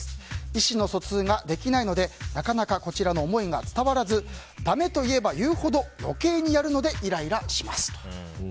意思の疎通ができないのでなかなか、こちらの思いが伝わらず、だめと言えば言うほど余計にやるのでイライラします。